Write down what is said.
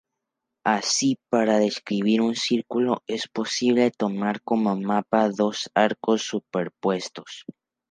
Así, para describir un círculo es posible tomar como mapas dos arcos superpuestos.